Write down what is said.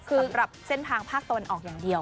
สำหรับเส้นทางภาคตะวันออกอย่างเดียว